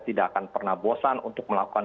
tidak akan pernah bosan untuk melakukan